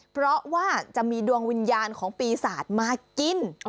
เพราะว่าจะมีดวงวิญญาณของปีศาจมากิน